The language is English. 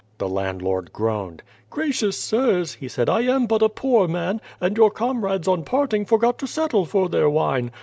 The landlord groaned. "Gracious, sirs," he said, "I am but a poor man, and your comrades on parting forgot to settle for their wine.